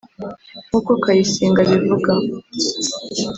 nk’uko Kayisinga abivuga